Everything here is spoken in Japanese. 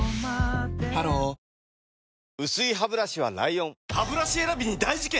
ハロー薄いハブラシは ＬＩＯＮハブラシ選びに大事件！